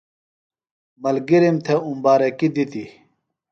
ملگِرِم تھے امبارکی دِتی۔